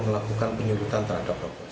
melakukan penyulutan terhadap